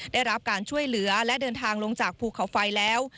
ได้รับการช่วยเหลือและเดินทางลงจากภูเขาไฟแล้ว